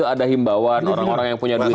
ada himbawan orang orang yang punya duit